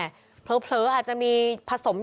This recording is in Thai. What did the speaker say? ลูกนั่นแหละที่เป็นคนผิดที่ทำแบบนี้